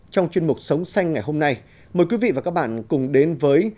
trong chuyên mục sống xanh ngày hôm nay mời quý vị và các bạn cùng đến với